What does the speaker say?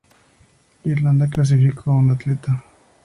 Irlanda clasificó a un atleta.